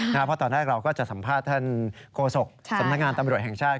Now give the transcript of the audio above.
เพราะตอนแรกเราก็จะสัมภาษณ์ท่านโฆษกสำนักงานตำรวจแห่งชาติ